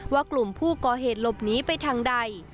ว่ากลุ่มผู้ก่อเหตุหลบหนีไปทางใด